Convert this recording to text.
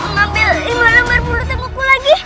ngambil iman amat bulu temuku lagi